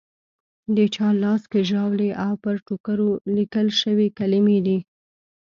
د چا لاس کې ژاولي او پر ټوکرو لیکل شوې کلیمې دي.